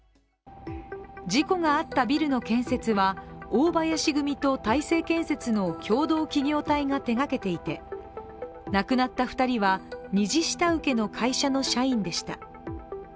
事故があったビルの建設は大林組と大成建設の共同企業体が手がけていて、亡くなった２人は２次下請けの会社の社員でした。